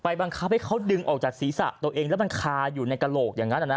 บังคับให้เขาดึงออกจากศีรษะตัวเองแล้วมันคาอยู่ในกระโหลกอย่างนั้น